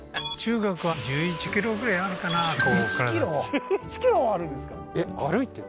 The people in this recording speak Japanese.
１１ｋｍもあるんですか？